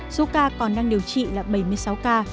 số ca còn đang điều trị là bảy mươi sáu ca